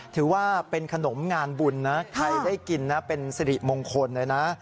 ถือว่าเป็นขนมงานบุญนะใครได้กินนะเป็นสิริมงคลเลยนะ